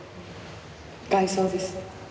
外装です。